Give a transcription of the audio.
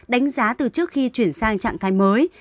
đánh giá từ trước khi chuyển sang trạng thái mới